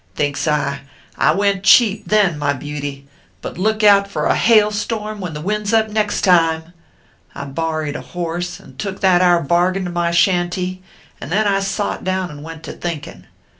Thinks I, I went cheap, then, my beauty ; but look out for a hail storm when the wind s up next time. I borreyed a horse, and took that ar bargain to my shanty ; and then I sot down and went to thinkin .